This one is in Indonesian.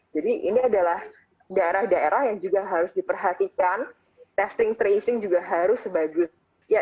jadi ini adalah daerah daerah yang juga harus diperhatikan testing tracing juga harus sebagus